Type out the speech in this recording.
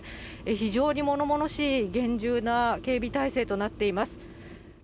非常にものものしい厳重な警備体制となっています。